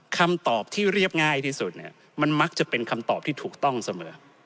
คำตอบที่เรียบง่ายที่สุดมันมักจะเป็นคำตอบที่ถูกต้องเสมอ